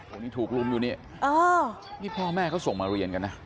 โอ้นี่ถูกรุมอยู่นี่พ่อแม่ก็ส่งมาเรียนกันนะ